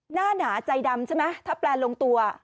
หนาใจดำใช่ไหมถ้าแปลลงตัว